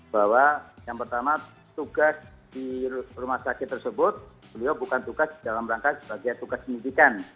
bahwa yang pertama tugas di rumah sakit tersebut beliau bukan tugas dalam rangka sebagai tugas pendidikan